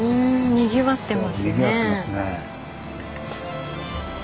にぎわってますね。